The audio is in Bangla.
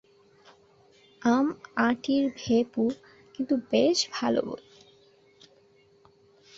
আম-আঁটির ভেঁপু কিন্তু বেশ ভালো বই।